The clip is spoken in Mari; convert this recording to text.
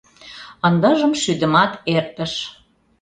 Ындыжым шӱдымат эртыш.